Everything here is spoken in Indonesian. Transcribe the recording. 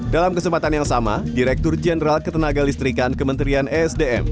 dalam kesempatan yang sama direktur jenderal ketenaga listrikan kementerian esdm